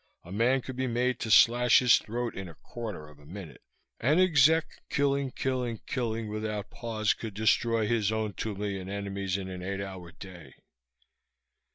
A man could be made to slash his throat in a quarter of a minute. An exec, killing, killing, killing without pause, could destroy his own two million enemies in an eight hour day.